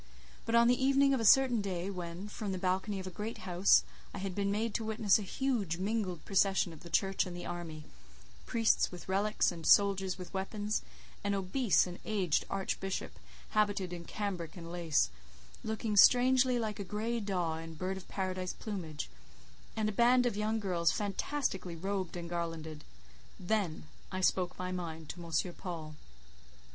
But on the evening of a certain day when, from the balcony of a great house, I had been made to witness a huge mingled procession of the church and the army—priests with relics, and soldiers with weapons, an obese and aged archbishop, habited in cambric and lace, looking strangely like a grey daw in bird of paradise plumage, and a band of young girls fantastically robed and garlanded—then I spoke my mind to M. Paul.